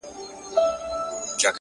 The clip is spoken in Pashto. o زما د ميني جنډه پورته ښه ده،